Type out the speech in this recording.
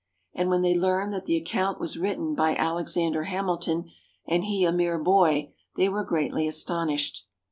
And when they learned that the account was written by Alexander Hamilton, and he a mere boy, they were greatly astonished.